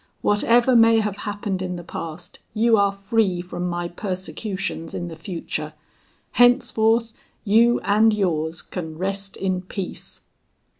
Whatever may have happened in the past, you are free from my persecutions in the future. Henceforth you and yours can rest in peace."